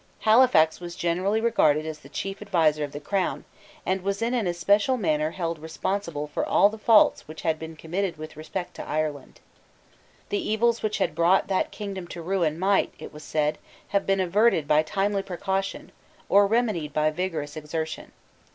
Halifax was generally regarded as the chief adviser of the Crown, and was in an especial manner held responsible for all the faults which had been committed with respect to Ireland. The evils which had brought that kingdom to ruin might, it was said, have been averted by timely precaution, or remedied by vigorous exertion.